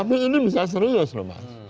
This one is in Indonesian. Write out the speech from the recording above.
tapi ini bisa serius loh mas